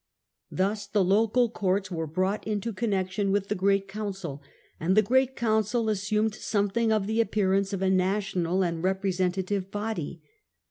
Thus the local courts were brought into connection with the great council, and the great council assumed something of the appearance of a national and representative body.